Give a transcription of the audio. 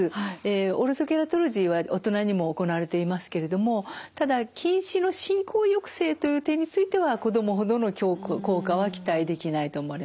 オルソケラトロジーは大人にも行われていますけれどもただ近視の進行抑制という点については子どもほどの効果は期待できないと思われます。